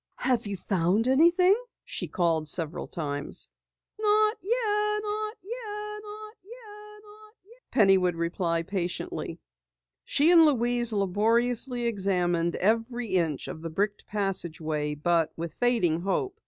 "Have you found anything?" she called several times. "Not yet," Penny would reply patiently. She and Louise laboriously examined every inch of the bricked passageway but with fading hope.